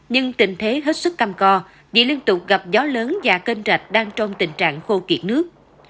nhưng tình thế hết sức cam co vì liên tục gặp gió lớn và kênh rạch đang trong tình trạng khô kiệt nước